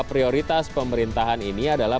prioritas pemerintahan ini adalah